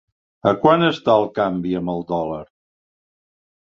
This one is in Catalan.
A quant està el canvi amb el dòlar?